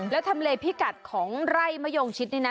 แล้วทำเลพิกัดของไร่มะยงชิดนี่นะ